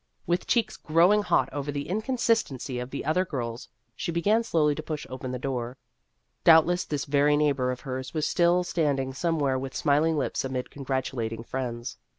With cheeks growing hot over the inconsistency of the other girls, she began slowly to push open the door. Doubtless this very neighbor of hers was still standing somewhere with smiling lips amid congratulating friends.